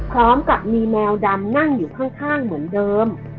พร้อมกับมีแมวดำนั่งอยู่ข้างเหมือนเดิม